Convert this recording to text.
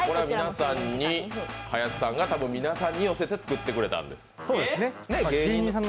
林さんが恐らく皆さんに寄せて作ってくれたんです。